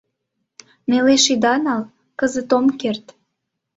— Нелеш ида нал, кызыт ом керт.